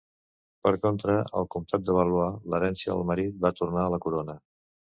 Per contra, el comtat de Valois, l'herència del marit, va tornar a la corona.